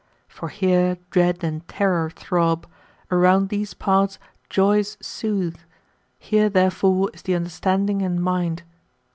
For here dread and terror throb ; around these parts joys soothe ; here therefore is the understanding and mind.